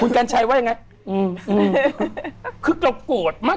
เพราะฉะนั้นเราโกรธมาก